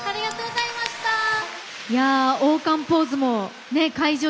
王冠ポーズも会場